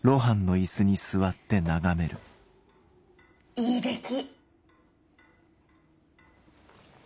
いい出来！